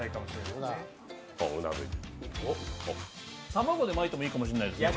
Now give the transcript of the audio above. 卵で巻いてもいいかもしれないですね。